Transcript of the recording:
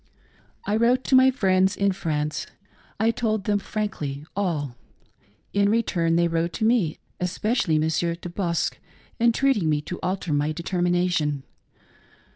I wrote to my friends in France. I told them frankly all. In return they wrote to me — especially Monsieur De Bosque entreating me to alter my determination.